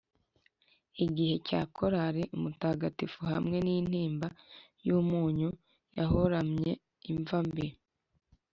igihe cya korali umutagatifu hamwe nintimba yumunyu yarohamye imva mbi